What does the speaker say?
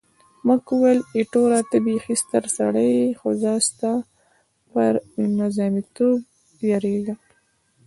مک وویل، ایټوره ته بیخي ستر سړی یې، خو زه ستا پر نظامیتوب بیریږم.